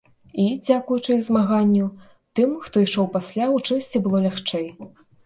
І дзякуючы іх змаганню, тым, хто ішоў пасля, у чымсьці было лягчэй.